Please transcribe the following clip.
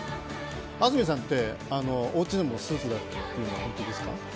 安住さんって、おうちでもスーツだというのは本当ですか？